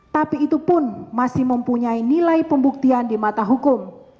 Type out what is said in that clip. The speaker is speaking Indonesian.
tapi itu pun masih mempunyai nilai pembuktian di mata hukum